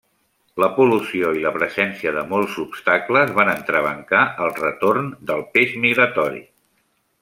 La pol·lució i la presència de molts obstacles van entrebancar el retorn del peix migratori.